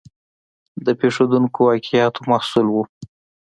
د پېښېدونکو واقعاتو محصول و.